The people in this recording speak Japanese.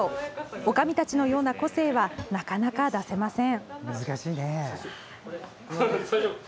おかみたちのような個性はなかなか出せません。